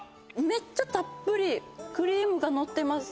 めっちゃたっぷりクリームがのってます